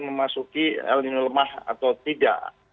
memasuki el nino lemah atau tidak